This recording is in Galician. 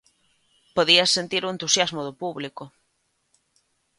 Podías sentir o entusiasmo do público.